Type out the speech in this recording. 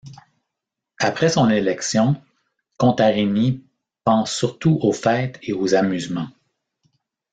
Après son élection, Contarini pense surtout aux fêtes et aux amusements.